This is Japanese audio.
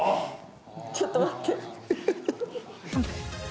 ちょっと待って。